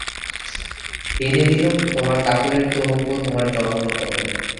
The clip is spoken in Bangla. এনে দিলুম আমার কাপড়ের তোরঙ্গ তোমার চরণতলে।